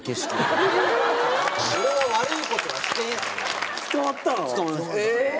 俺は悪いことはしていない。